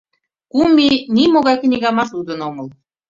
— Кум ий нимогай книгамат лудын омыл.